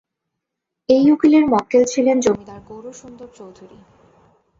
এই উকিলের মক্কেল ছিলেন জমিদার গৌরসুন্দর চৌধুরী।